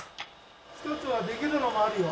１つはできるのもあるよ。